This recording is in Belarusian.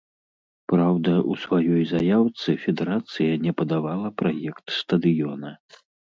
Праўда, у сваёй заяўцы федэрацыя не падавала праект стадыёна.